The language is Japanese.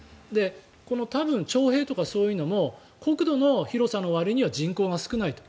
この多分、徴兵とかそういうのも国土の広さのわりには人口が少ないと。